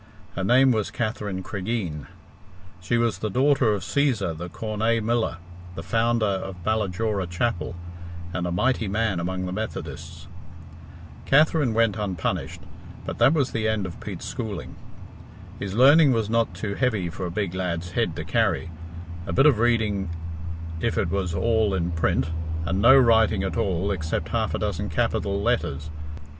Her name was Katherine Cregeen. She was the daughter of Cæsar the Cornaa miller, the founder of Ballajora Chapel, and a mighty man among the Methodists. Katherine went unpunished, but that was the end of Pete's schooling. His learning was not too heavy for a big lad's head to carry a bit of reading if it was all in print, and no writing at all except half a dozen capital letters.